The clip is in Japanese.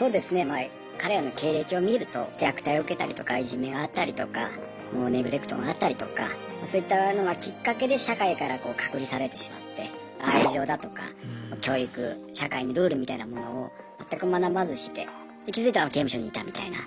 まあ彼らの経歴を見ると虐待を受けたりとかいじめがあったりとかもうネグレクトがあったりとかそういったのがきっかけで社会からこう隔離されてしまって愛情だとか教育社会のルールみたいなものを全く学ばずして気づいたら刑務所にいたみたいな。